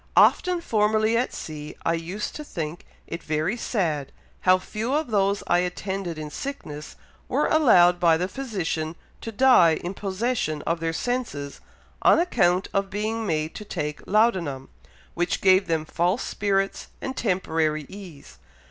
Often formerly at sea I used to think it very sad how few of those I attended in sickness were allowed by the physician to die in possession of their senses, on account of being made to take laudanum, which gave them false spirits and temporary ease.